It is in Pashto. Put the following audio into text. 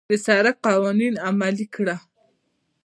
د سړک قوانين عملي کړه.